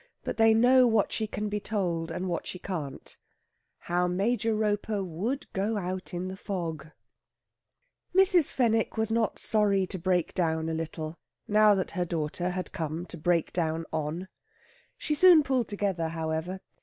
BUT THEY KNOW WHAT SHE CAN BE TOLD, AND WHAT SHE CAN'T. HOW MAJOR ROPER WOULD GO OUT IN THE FOG Mrs. Fenwick was not sorry to break down a little, now that her daughter had come to break down on. She soon pulled together, however.